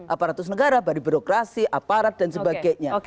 aparatus negara bari birokrasi aparat dan sebagainya